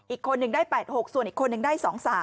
อีกคนหนึ่งได้๘๖ส่วนอีกคนหนึ่งได้๒๓